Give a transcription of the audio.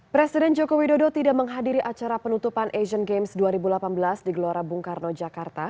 presiden joko widodo tidak menghadiri acara penutupan asian games dua ribu delapan belas di gelora bung karno jakarta